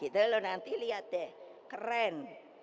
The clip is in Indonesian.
gitu loh nanti lihat deh keren